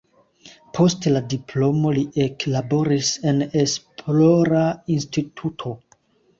Post la diplomo li eklaboris en esplora instituto.